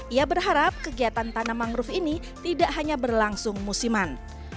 ia berharap kegiatan tanam mangrove ini tidak hanya berlangsung musiman